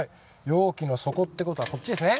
容器の底って事はこっちですね。